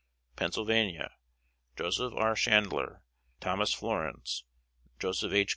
Pennsylvania: Joseph R. Chandler, Thomas Florence, Joseph H.